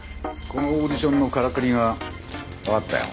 このオーディションのからくりがわかったよ。